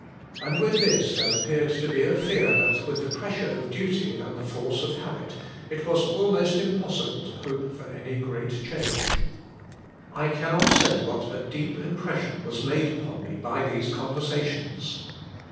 And with this there appeared to be a fear that, with the pressure of duty and the force of habit, it was almost impossible to hope for any great change. I cannot say what a deep impression was made upon me by these conversations.